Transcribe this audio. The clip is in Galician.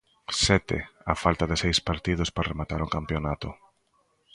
Sete, a falta de seis partidos para rematar o campionato.